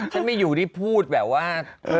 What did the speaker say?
ฉันไม่อยู่นี่พูดแบบว่า